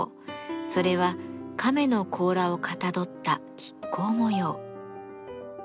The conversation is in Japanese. それは亀の甲羅をかたどった亀甲模様。